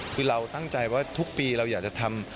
คือเราตั้งใจว่าทุกปีเราอยากจะทำ